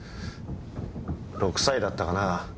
６歳だったかなぁあん